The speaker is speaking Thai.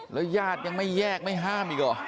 แล้วญาติยังไม่แยกไม่ห้ามอีกเหรอ